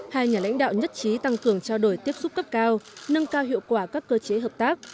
hai nhà lãnh đạo nhất trí tăng cường trao đổi tiếp xúc cấp cao nâng cao hiệu quả các cơ chế hợp tác